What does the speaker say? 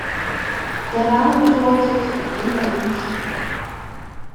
Der Name bedeutet „die Erwünschte“.